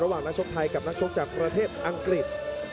นักชกไทยกับนักชกจากประเทศอังกฤษ